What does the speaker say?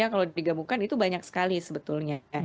kalau digabungkan itu banyak sekali sebetulnya